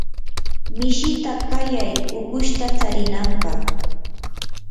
mishita qayay ukushta tsarinanpaq.